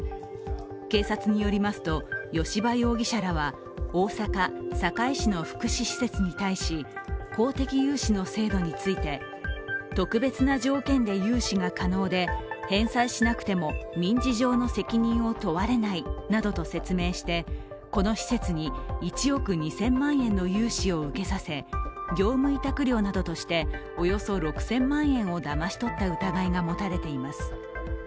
警察によりますと吉羽容疑者らは大阪・堺市の福祉施設に対し公的融資の制度について、特別な条件で融資が可能で返済しなくても民事上の責任を問われないなどと説明してこの施設に１億２０００万円の融資を受けさせ、業務委託料などとしておよそ６０００万円をだまし取った疑いが持たれています。